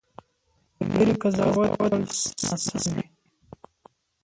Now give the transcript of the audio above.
له لرې قضاوت تل ناسم وي.